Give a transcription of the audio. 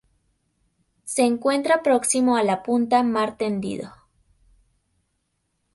Se encuentra próximo a la punta Mar Tendido.